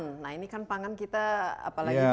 nah ini kan pangan kita apalagi kita lumayan